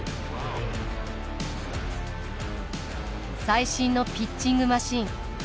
最新のピッチングマシン。